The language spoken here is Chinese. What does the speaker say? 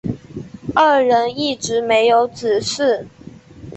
二人一直没有子嗣。